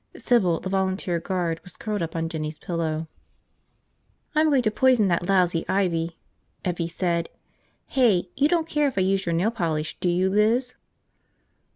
Sybil, the volunteer guard, was curled up on Jinny's pillows. "I'm going to poison that lousy ivy," Evvie said. "Hey, you don't care if I use your nail polish, do you, Liz?"